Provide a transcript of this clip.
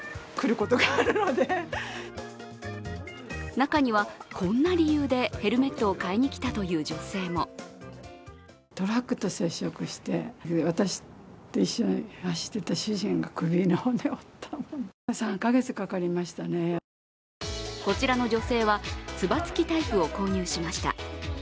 中には、こんな理由でヘルメットを買いに来たという女性もこちらの女性はつば付きタイプを購入しました。